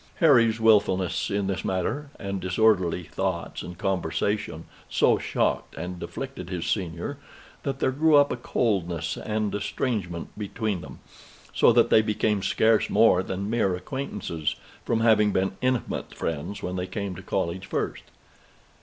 Harry's wilfulness in this matter, and disorderly thoughts and conversation, so shocked and afflicted his senior, that there grew up a coldness and estrangement between them, so that they became scarce more than mere acquaintances, from having been intimate friends when they came to college first.